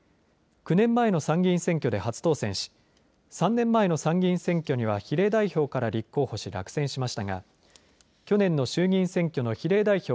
９年前の参議院選挙で初当選し３年前の参議院選挙には比例代表から立候補し落選しましたが去年の衆議院選挙の比例代表